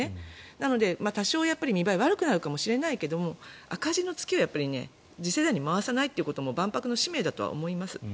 なので多少、見栄えが悪くなるかもしれないけど赤字の付けは次世代に回さないということも万博の使命だと思います。